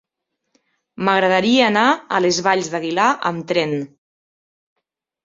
M'agradaria anar a les Valls d'Aguilar amb tren.